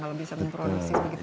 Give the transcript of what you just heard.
kalau bisa memproduksi begitu